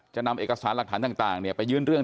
จะนำเอกสารหลักฐานต่างไปยื่นเรื่อง